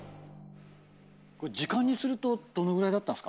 時間にするとどのぐらいだったんですか？